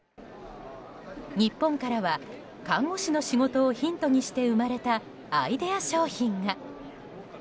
日本からは看護師の仕事をヒントにして生まれたアイデア商品が。